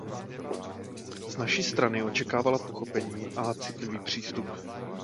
Z naší strany očekávala pochopení a citlivý přístup.